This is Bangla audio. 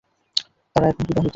তারা এখন বিবাহিত!